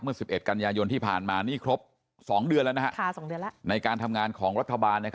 ๑๑กันยายนที่ผ่านมานี่ครบ๒เดือนแล้วในการทำงานของรัฐบาล